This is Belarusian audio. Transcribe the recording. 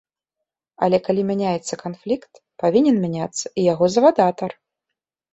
Але калі мяняецца канфлікт, павінен мяняцца і яго завадатар.